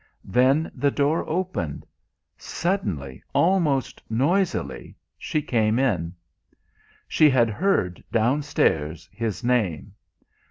Then the door opened. Suddenly, almost noisily, she came in. She had heard, downstairs, his name.